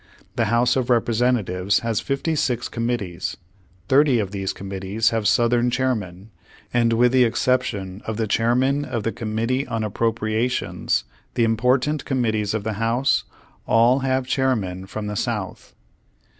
The House of Representatives has fifty six Committees. Thirty of these committees have Southern chairmen, and with the exception of the chairman of the Com mittee on Appropriations, the important com mittees of the House all have chairmen from the South.